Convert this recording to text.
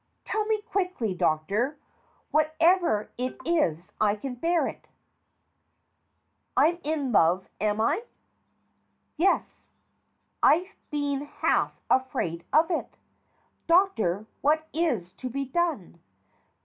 Tell me quickly, Doctor. Whatever it is, I can bear it. I'm in love, am I? Yes, I'd been half afraid of it. Doctor, what is to be done